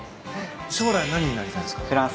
将来何になりたいですか？